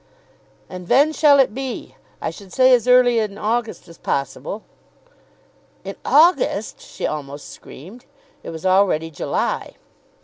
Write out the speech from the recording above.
"And ven shall it be? I should say as early in August as possible." "In August!" she almost screamed. It was already July.